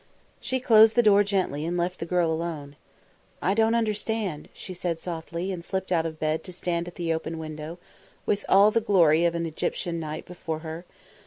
She closed the door gently and left the girl alone. "I don't understand," she said softly, and slipped out of bed to stand at the open window, with all the glory of an Egyptian night before her.